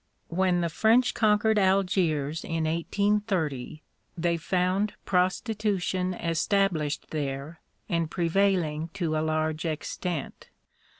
When the French conquered Algiers in 1830, they found prostitution established there, and prevailing to a large extent.